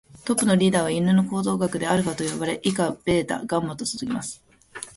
トップのリーダーは犬の行動学ではアルファと呼ばれ、以下ベータ、ガンマと続きます。